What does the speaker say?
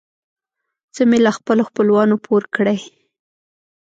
څه مې له خپلو خپلوانو پور کړې.